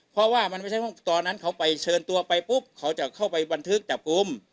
เพราะว่าตอนนั้นเขาไปเชิญตัวไปปุ๊บเขาจะเข้าไปบันทึกจับกลุ่ม